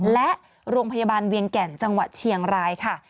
และโรงพยาบาลเวียงแก่นจังหวัดเชียงรายค่ะ